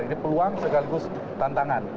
ini peluang sekaligus tantangan